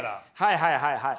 はいはいはい。